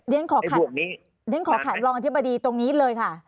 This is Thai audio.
เดี๋ยวผมขาดลองอธิบดีตรงนี้เลยค่ะ